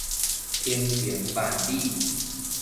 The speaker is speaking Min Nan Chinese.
鵬程萬里